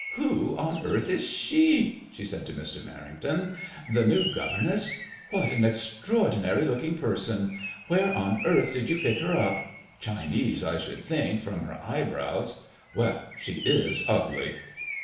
" Who on earth is she ?" she MADEMOISELLE IXM, 71 said to Mr. Merrington. ''The new governess ? What an extra ordinary looking person ! Where on earth did you pick her up ? Chinese, I should think, from her eyebrows. Well, she is ugly